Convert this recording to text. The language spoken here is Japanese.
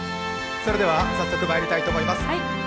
それでは早速まいりたいと思います。